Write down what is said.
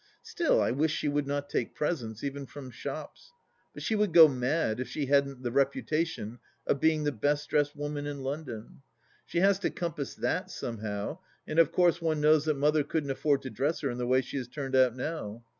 Still I wish she would not take presents, even from shops. But she would go mad if she hadn't the reputation of being the best dressed woman in London. She has to compass that, somehow, and of course one knows that Mother couldn't afford to dress her in the way she is turned out now.